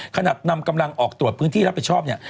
ขนาดนำกำลังออกตรวจพื้นที่รับผิดชอบเนี่ย